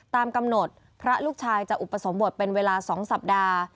ตามกำหนดพระลูกชายจะอุปสมบทเป็นเวลา๒สัปดาห์